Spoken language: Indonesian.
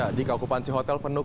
ya dikawupansi hotel penuh